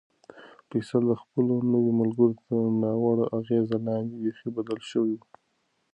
فیصل د خپلو نویو ملګرو تر ناوړه اغېز لاندې بیخي بدل شوی و.